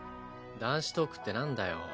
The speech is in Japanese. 男子トークってなんだよ。